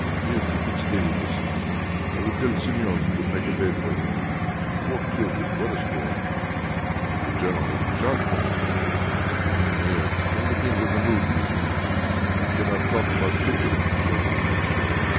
"Yes, he can stay with us. I will tell Somione to make up a bed for him. Four children! What a story!" "And if the general has him shot, Colonel?" "Hm! yes.... It all depends on the mood he is in. One cannot talk about children with the general."